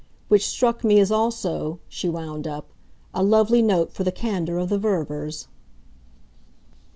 Which struck me as also," she wound up, "a lovely note for the candour of the Ververs."